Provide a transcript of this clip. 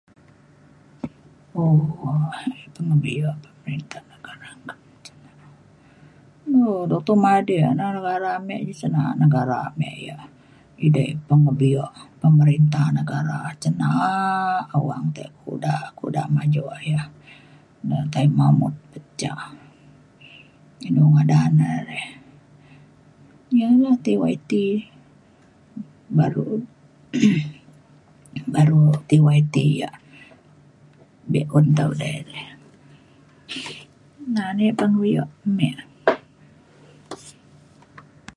[unintelligible] do Dr. Mahathir na negara me ji sen na’at negara me ia’ edei pengebio pemerinta negara cin na’a awang teh kuda kuda maju ayah ne Taib Mahmud pe ca inu ngadan re rei ia’ na TYT baru baru TYT ia’ be’un dau day le. na na ia’ pengebio me